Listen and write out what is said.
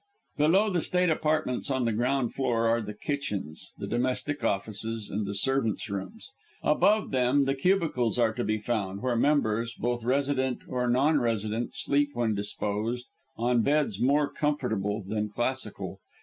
Below the state apartments on the ground floor are the kitchens, the domestic offices, and the servants' rooms; above them, the cubicles are to be found, where members, both resident or non resident, sleep when disposed on beds more comfortable than classical.